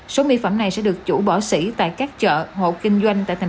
số mỹ phẩm này sẽ được chủ bỏ xỉ tại các chợ hộ kinh doanh tại tp hcm